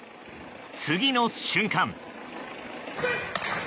次の瞬間。